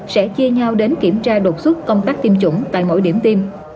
sẽ chia nhau đến kiểm tra đột xuất công tác tiêm chủng tại mỗi điểm tiêm